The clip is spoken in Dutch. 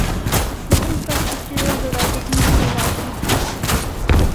Die infrastructuur hebben wij tot nu toe helaas niet gehad.